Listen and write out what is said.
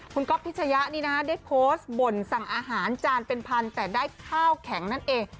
คุณก๊อฟพิชยะนี่นะฮะได้โพสต์บ่นสั่งอาหารจานเป็นพันแต่ได้ข้าวแข็งนั่นเอง